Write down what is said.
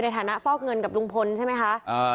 ฐานะฟอกเงินกับลุงพลใช่ไหมคะ